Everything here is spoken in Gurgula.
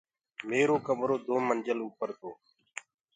ميرو ڪمرو دو منجل اوپر تو